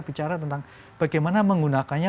bicara tentang bagaimana menggunakannya